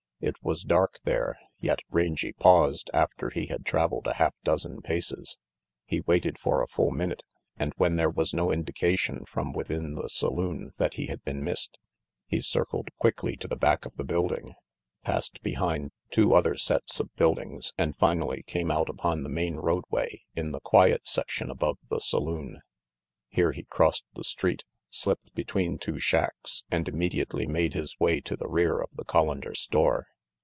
It was dark there, yet Rangy paused after he had traveled a half dozen paces. He waited RANGY PETE 199 for a full minute, and when there was no indication from within the saloon that he had been missed, he circled quickly to the back of the building, passed behind two other sets of buildings and finally came out upon the main roadway in the quiet section above the saloon. Here he crossed the street, slipped between two shacks and immediately made his way to the rear of the Collander store.